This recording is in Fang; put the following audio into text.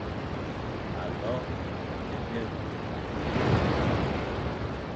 Alo ebyen,